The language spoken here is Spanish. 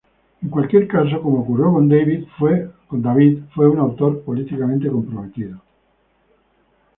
En cualquier caso como ocurrió con David, fue un autor políticamente comprometido.